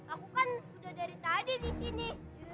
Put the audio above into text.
aku kan sudah dari tadi disini